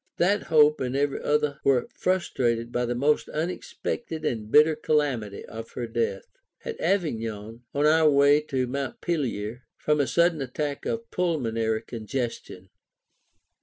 That hope and every other were frustrated by the most unexpected and bitter calamity of her death at Avignon, on our way to Montpellier, from a sudden attack of pulmonary congestion.